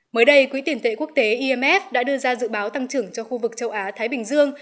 mới đây quỹ tiền tệ quốc tế imf đã đưa ra dự báo tăng trưởng cho khu vực châu á thái bình dương